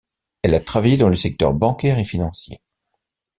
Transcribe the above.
Elle a travaillé dans le secteur bancaire et financier.